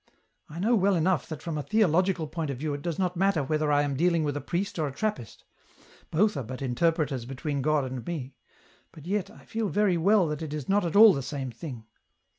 I know well enough that from a theological point of view it does not matter whether I am dealing with a priest or a Trappist ; both are but interpreters between God and me, but yet, I feel very well that it is not at all the same thing.